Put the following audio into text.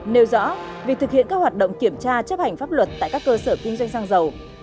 nêu rõ việc thực hiện các hoạt động kiểm tra chấp hành pháp luật tại các cơ sở kinh doanh xăng dầu